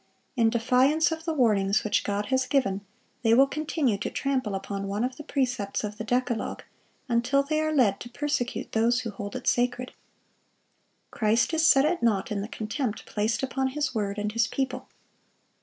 In defiance of the warnings which God has given, they will continue to trample upon one of the precepts of the decalogue, until they are led to persecute those who hold it sacred. Christ is set at naught in the contempt placed upon His word and His people.